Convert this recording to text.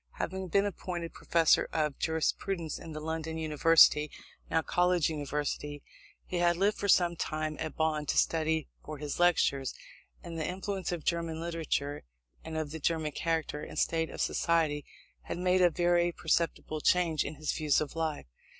Having been appointed Professor of Jurisprudence in the London University (now University College), he had lived for some time at Bonn to study for his Lectures; and the influences of German literature and of the German character and state of society had made a very perceptible change in his views of life.